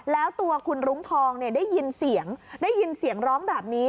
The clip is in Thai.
แล้วตัวคุณรุ้งทองได้ยินเสียงได้ยินเสียงร้องแบบนี้